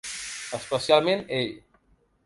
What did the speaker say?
Especialment ell—.